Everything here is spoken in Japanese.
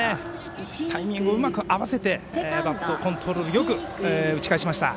タイミングをうまく合わせてバットコントロールよく打ち返しました。